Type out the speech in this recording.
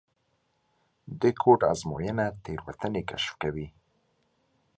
د کوډ ازموینه تېروتنې کشف کوي.